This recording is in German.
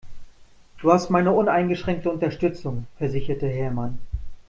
Du hast meine uneingeschränkte Unterstützung, versicherte Hermann.